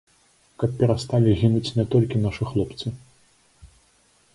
Каб перасталі гінуць не толькі нашы хлопцы.